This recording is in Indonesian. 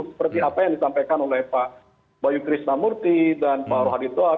seperti apa yang disampaikan oleh pak b krishnamurti dan pak r hadithoa